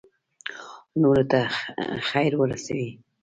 نورو ته خیر ورسوئ